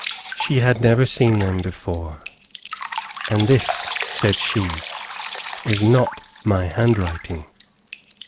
She had never seen them, before, "and this," said she, "is not my hand writing."